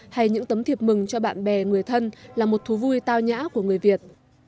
hay những tấm thiệp mừng cho bạn bè người thân là một thú vui tao nhã của người việt